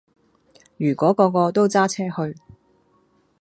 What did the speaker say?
如果個個都揸車去